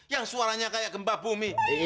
yang suaranya kayak gempa bumi